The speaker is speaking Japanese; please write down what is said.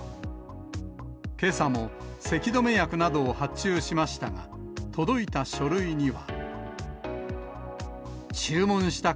けさもせき止め薬などを発注しましたが、届いた書類には。